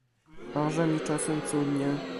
"Aże mi czasem cudnie."